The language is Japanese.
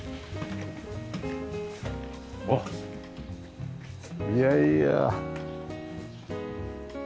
あっいやいや。